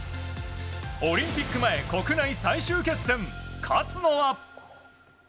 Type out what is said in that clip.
オリンピック前国内最終決戦勝つのは？